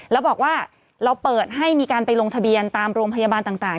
แล้วบอกว่าเราเปิดให้มีการไปลงทะเบียนตามโรงพยาบาลต่าง